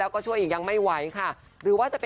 แล้วก็ช่วยอีกยังไม่ไหวนะคะ